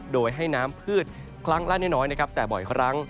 โดยให้น้ำพืชครั้งละน้อยนะครับแต่บ่อยครั้ง